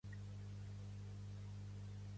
Com va ser el seu nou aspecte?